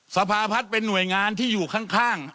สภาพัฒน์เป็นหน่วยงานที่อยู่ข้าง